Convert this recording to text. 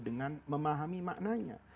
dengan memahami maknanya